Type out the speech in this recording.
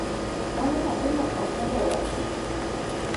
Mano nyathino ok nolo wachno